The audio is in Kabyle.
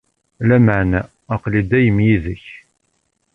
Lameɛna, aql-i dayem yid-k.